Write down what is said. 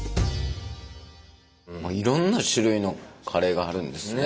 いろんな種類のカレーがあるんですね。